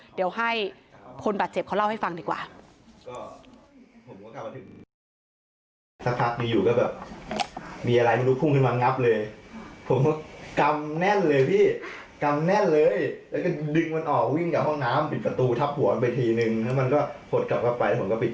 เดี๋ยวให้คนบาดเจ็บเขาเล่าให้ฟังดีกว่า